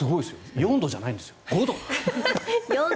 ４度じゃないんですよ